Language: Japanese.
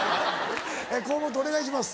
河本お願いします。